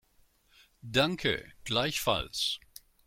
Danke, gleichfalls.